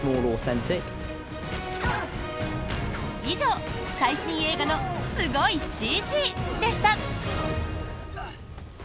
以上最新映画のすごいＣＧでした！